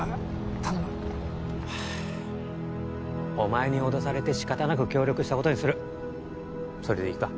頼むはあお前に脅されて仕方なく協力したことにするそれでいいか？